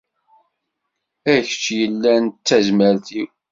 A kečč yellan d tazmert-iw.